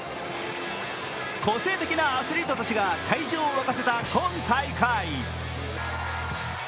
個性的なアスリートたちが会場を沸かせた今大会。